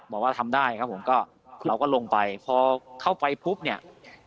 บอกว่าทำได้ครับผมก็เราก็ลงไปพอเข้าไปปุ๊บเนี่ย